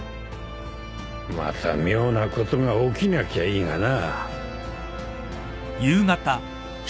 また妙なことが起きなきゃいいがな。